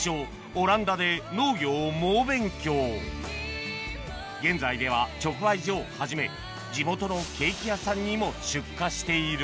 オランダで農業を猛勉強現在では直売所をはじめ地元のケーキ屋さんにも出荷している